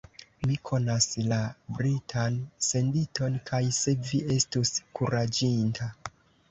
Mi konas la Britan senditon, kaj se vi estus kuraĝinta.